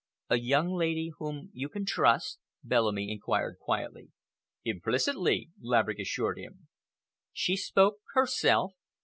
"A young lady whom you can trust?" Bellamy inquired quietly. "Implicitly," Laverick assured him. "She spoke herself?"